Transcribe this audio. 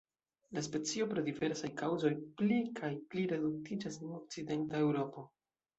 La specio pro diversaj kaŭzoj pli kaj pli reduktiĝas en Okcidenta Eŭropo.